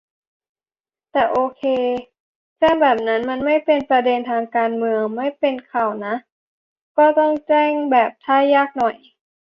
แต่โอเค แจ้งแบบนั้นมันไม่ "เป็นประเด็นทางการเมือง" ไม่เป็นข่าวน่ะ ก็ต้องแจ้งแบบท่ายากหน่อย